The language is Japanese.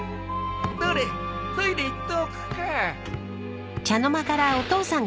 どれトイレ行っておくか。